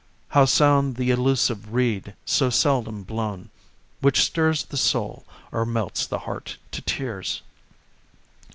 How sound the elusive reed so seldom blown, Which stirs the soul or melts the heart to tears.